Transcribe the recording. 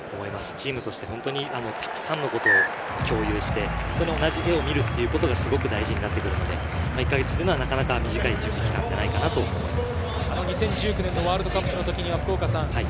チームとしてたくさんのことを共有して、同じ画を見るというのは、すごく大事になってくるので、１か月というのは短い準備期間じゃないかなと思います。